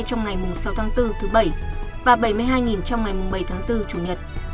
trong ngày sáu tháng bốn thứ bảy và bảy mươi hai trong ngày bảy tháng bốn chủ nhật